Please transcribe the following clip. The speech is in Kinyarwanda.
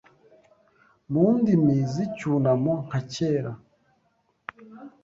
Mu ndimi z'icyunamo nka kera